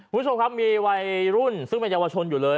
คุณผู้ชมครับมีวัยรุ่นซึ่งเป็นเยาวชนอยู่เลย